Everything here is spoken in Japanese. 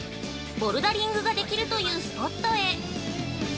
ボルダリングができるというスポットへ。